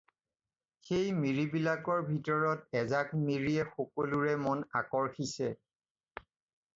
সেই মিৰিবিলাকৰ ভিতৰত এজাক মিৰিয়ে সকলোৰে মন আকৰ্ষিছে।